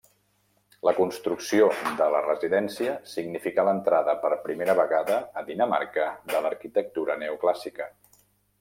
La construcció de la residència significà l'entrada, per primera vegada, a Dinamarca de l'arquitectura neoclàssica.